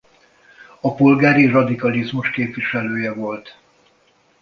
A polgári radikalizmus képviselője volt.